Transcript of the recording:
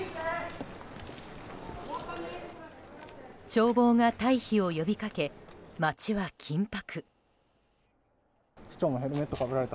消防が退避を呼びかけ街は緊迫。